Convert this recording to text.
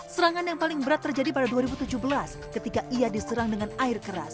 serangan yang paling berat terjadi pada dua ribu tujuh belas ketika ia diserang dengan air keras